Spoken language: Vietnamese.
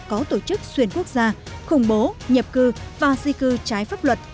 có tổ chức xuyên quốc gia